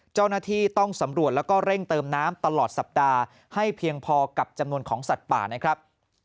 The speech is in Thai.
เจ้าหน้าที่ต้องสำรวจแล้วก็เร่งเติมน้ำตลอดสัปดาห์ให้เพียงพอกับจำนวนของสัตว์ป่านะครับ